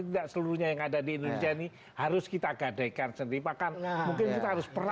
tidak seluruhnya yang ada di indonesia nih harus kita gadaikan seribu akan gerak mungkin kita harus